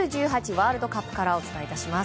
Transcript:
ワールドカップからお伝えいたします。